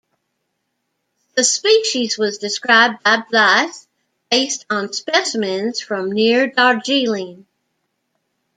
The species was described by Blyth based on specimens from near Darjeeling.